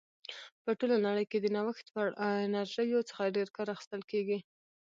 په ټوله نړۍ کې د نوښت وړ انرژیو څخه ډېر کار اخیستل کیږي.